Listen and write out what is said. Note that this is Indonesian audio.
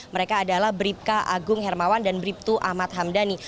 mereka adalah bribka agung hermawan dan bribtu ahmad hamdani